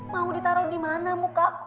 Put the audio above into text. mau ditaro di mana mukaku